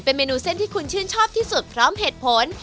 เป็นเมนูเส้นที่คุณชื่นชอบที่สุดพร้อมเหตุผล